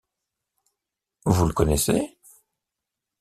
Vous le connaissez ?